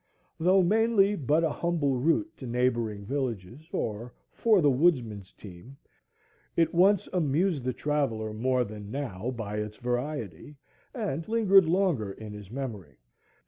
Though mainly but a humble route to neighboring villages, or for the woodman's team, it once amused the traveller more than now by its variety, and lingered longer in his memory.